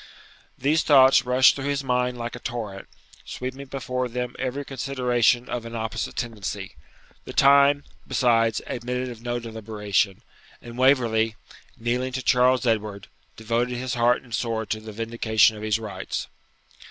These thoughts rushed through his mind like a torrent, sweeping before them every consideration of an opposite tendency, the time, besides, admitted of no deliberation, and Waverley, kneeling to Charles Edward, devoted his heart and sword to the vindication of his rights!